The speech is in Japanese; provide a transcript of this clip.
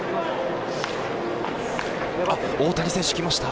大谷選手、来ました。